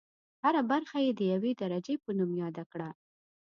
هره برخه یې د یوې درجې په نوم یاده کړه.